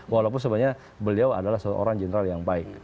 walaupun sebenarnya beliau adalah seorang general yang baik